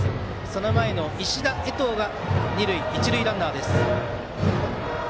その前のバッター二塁と一塁ランナーです。